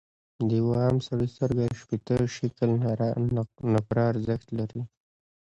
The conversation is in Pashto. د یوه عام سړي سترګه شپیته شِکِل نقره ارزښت لري.